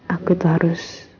aku tuh harus